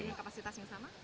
jadi kapasitas yang sama